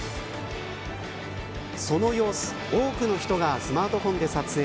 その様子を多くの人がスマートフォンで撮影。